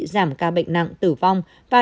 giảm ca bệnh nặng tử vong và